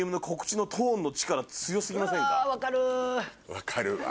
分かるわ。